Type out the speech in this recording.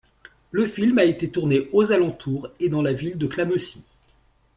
Le film a été tourné aux alentours et dans la ville de Clamecy.